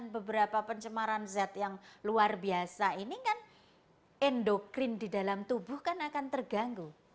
beberapa pencemaran zat yang luar biasa ini kan endokrin di dalam tubuh kan akan terganggu